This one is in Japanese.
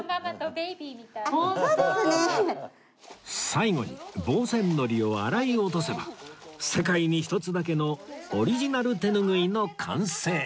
最後に防染糊を洗い落とせば世界に一つだけのオリジナル手ぬぐいの完成